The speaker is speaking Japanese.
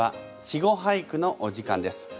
「稚語俳句」のお時間です。